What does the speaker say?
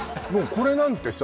これなんてさ